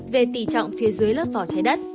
về tỷ trọng phía dưới lớp vỏ trái đất